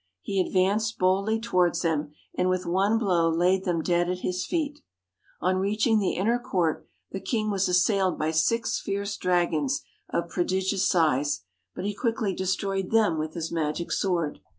He advanced boldly towards them, and with one blow laid them dead at his feet. On reaching the inner court the king was assailed by six fierce dragons of pro digious size, but he quickly destroyed them with his magic sword.